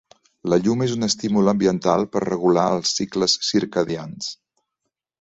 La llum és un estímul ambiental per regular els cicles circadians.